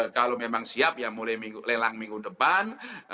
kalau memang siap ya mulai lelang minggu depan